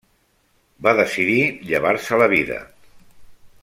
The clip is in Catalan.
Va decidir llevar-se la vida.